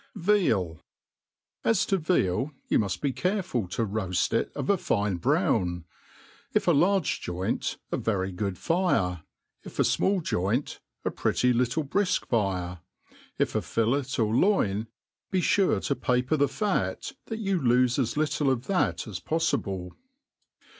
, VEAL. AS to veal, you muft be careful to roaft it of a fine brown \ if a large joint, a very good fire j if a fmall joint, a pretty Hitlc brijQk fire ; if a fillet or loin, be fure to paper the? fat, that yon Ibfe as little of that as poffible.